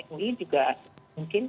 mui juga mungkin